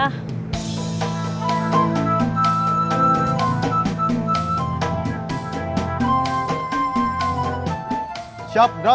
hanya karena telah menggunakan